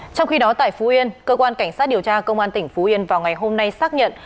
trong khi đó tại phú yên cơ quan cảnh sát điều tra công an tỉnh phú yên vào ngày hôm nay xác nhận